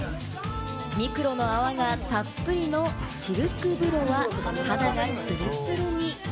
ミクロの泡がたっぷりのシルク風呂は、肌がツルツルに。